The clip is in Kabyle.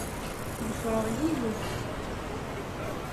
Ḍefreɣ yiwet.